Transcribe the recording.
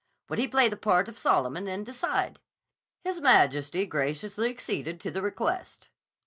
Would he play the part of Solomon and decide? His Majesty graciously acceded to the request.